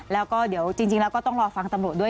แล้วก็เดี๋ยวจริงแล้วก็ต้องรอฟังตำรวจด้วย